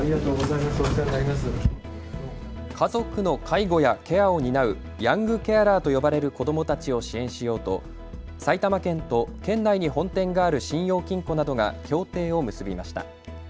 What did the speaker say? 家族の介護やケアを担うヤングケアラーと呼ばれる子どもたちを支援しようと埼玉県と県内に本店がある信用金庫などが協定を結びました。